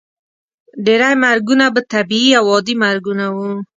ډیری مرګونه به طبیعي او عادي مرګونه وو.